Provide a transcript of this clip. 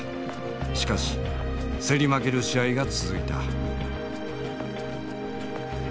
しかし競り負ける試合が続いた。